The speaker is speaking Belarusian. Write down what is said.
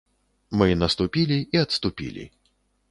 Мы наступілі і адступілі.